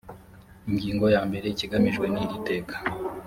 ingingo ya mbere ikigamijwe n iri teka